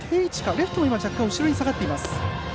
レフトは若干後ろに下がっています。